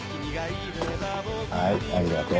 はいありがとう。